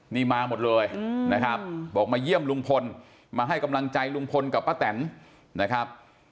นี่มาหมดเลยนะครับบอกมาเยี่ยมลุงพลมาให้กำลังใจลุงพลกับป้าแตนนะครับ